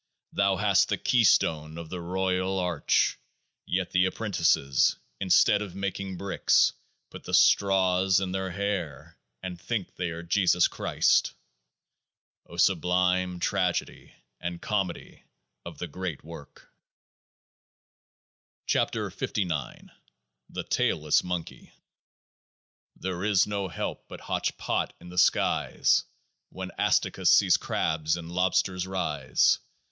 Thou hast the Keystone of the Royal Arch ; yet the Apprentices, instead of making bricks, put the straws in their hair, and think they are Jesus Christ ! O sublime tragedy and comedy of THE GREAT WORK ! 74 KEOAAH N0 THE TAILLESS MONKEY There is no help — but hotch pot !— in the skies When Astacus sees Crab and Lobster rise.